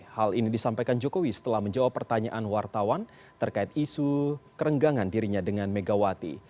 hal ini disampaikan jokowi setelah menjawab pertanyaan wartawan terkait isu kerenggangan dirinya dengan megawati